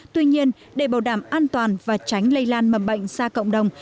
tuy nhiên để bảo đảm an toàn và tránh lây lan mầm bệnh ra cộng đồng